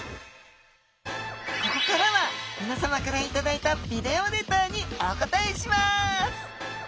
ここからはみなさまから頂いたビデオレターにお答えします